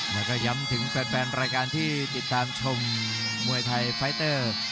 แล้วก็ย้ำถึงแฟนรายการที่ติดตามชมมวยไทยไฟเตอร์